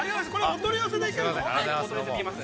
◆お取り寄せできます。